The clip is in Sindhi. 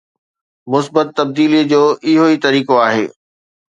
مثبت تبديليءَ جو اهو ئي طريقو آهي.